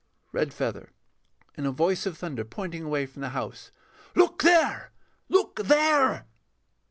REDFEATHER [in a voice of thunder, pointing away from the house]. Look there look there!